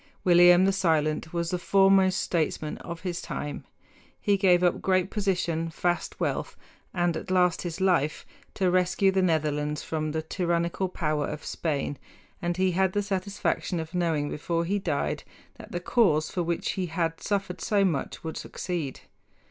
William the Silent was the foremost statesman of his time. He gave up great position, vast wealth, and at last his life, to rescue the Netherlands from the tyrannical power of Spain; and he had the satisfaction of knowing before he died that the cause for which he had suffered so much would succeed.